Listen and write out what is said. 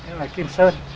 đấy là kim sơn